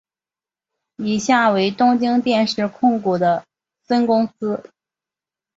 以下为东京电视控股的孙公司。